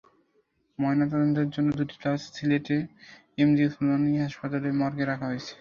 ময়নাতদন্তের জন্য দুটি লাশ সিলেট এমএজি ওসমানী হাসপাতাল মর্গে রাখা হয়েছে।